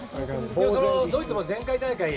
ドイツも前回大会